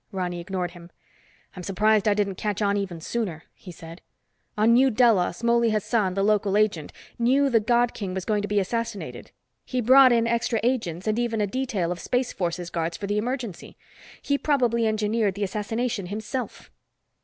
Ronny ignored him. "I'm surprised I didn't catch on even sooner," he said. "On New Delos Mouley Hassan, the local agent, knew the God King was going to be assassinated. He brought in extra agents and even a detail of Space Forces guards for the emergency. He probably engineered the assassination himself."